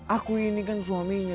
aku ini kan suaminya